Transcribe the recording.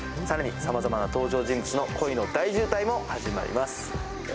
更にさまざまな登場人物の恋の大渋滞も始まります。